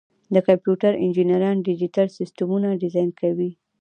د کمپیوټر انجینران ډیجیټل سیسټمونه ډیزاین کوي.